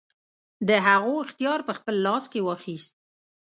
د هغو اختیار په خپل لاس کې واخیست.